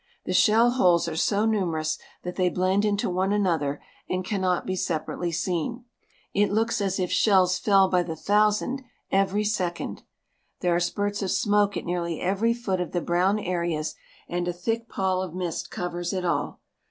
The shell holes are so numerous that they blend into one another and cannot be separately seen. It looks as if shells fell by the thousand every second. There are spurts of smoke at nearly every foot of the brown areas and a thick pall of mist covers it all.